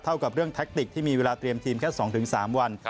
กับเรื่องแท็กติกที่มีเวลาเตรียมทีมแค่๒๓วัน